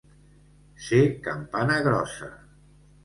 Ser campana grossa.